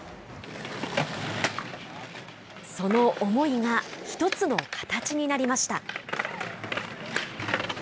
その思いが一つの形になりました。